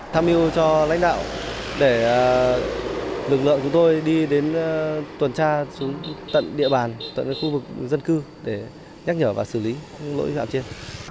tham mưu cho lãnh đạo để lực lượng chúng tôi đi đến tuần tra xuống tận địa bàn tận khu vực dân cư để nhắc nhở và xử lý lỗi vi phạm trên